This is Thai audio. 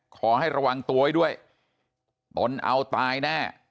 ขอให้ระวังตัวไว้ด้วยตนเอาตายแน่